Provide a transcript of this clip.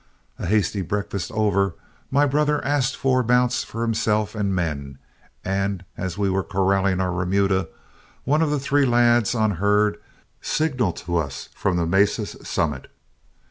A hasty breakfast over, my brother asked for mounts for himself and men; and as we were corralling our remuda, one of the three lads on herd signaled to us from the mesa's summit.